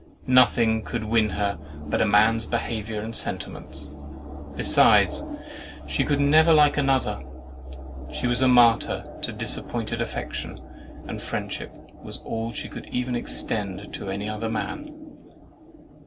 Nothing could win her but a man's behaviour and sentiments. Besides, she could never like another—she was a martyr to disappointed affection—and friendship was all she could even extend to any other man.